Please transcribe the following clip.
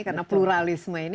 karena pluralisme ini